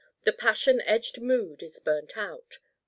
The passion edged mood is burnt out.